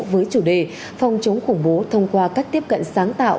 với chủ đề phòng chống khủng bố thông qua cách tiếp cận sáng tạo